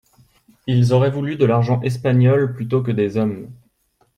Ils auraient voulu de l'argent espagnol plutôt que des hommes.